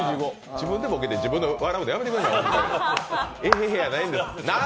自分でボケて自分で笑うのやめてください、エヘヘやないんです。